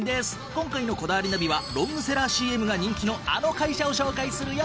今回の『こだわりナビ』はロングセラーＣＭが人気のあの会社を紹介するよ。